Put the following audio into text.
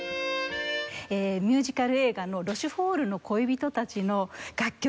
ミュージカル映画の『ロシュフォールの恋人たち』の楽曲